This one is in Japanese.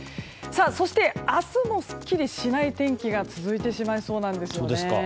そして、明日もすっきりしない天気が続いてしまいそうです。